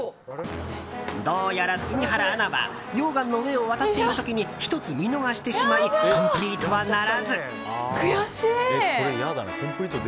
どうやら杉原アナは溶岩の上を渡っている時に１つ見逃してしまいコンプリートはならず。